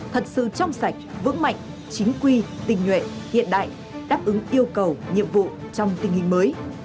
thật sự trong sạch vững mạnh chính quy tình nguyện hiện đại đáp ứng yêu cầu nhiệm vụ trong tình hình mới